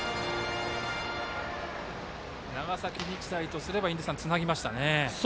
長崎日大とすればつなぎましたね。